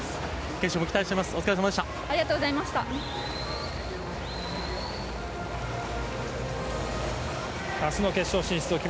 決勝も期待しています。